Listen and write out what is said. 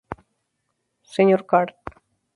Sr. Card.